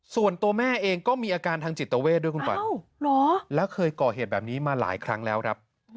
ส่วนตัวแม่เองก็มีอาการทางจิตเวทด้วยคุณขวัญแล้วเคยก่อเหตุแบบนี้มาหลายครั้งแล้วครับ